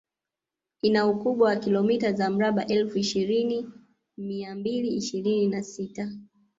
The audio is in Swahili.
Ina ukubwa wa kilomita za mraba elfu ishirini mia mbili ishirini na sita